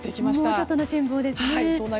もうちょっとの辛抱ですね。